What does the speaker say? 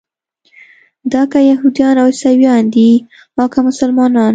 دا که یهودیان او عیسویان دي او که مسلمانان.